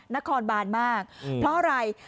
นครบานมากเพราะอะไร